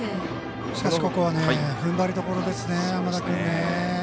しかし、ここはふんばりどころですね、山田君。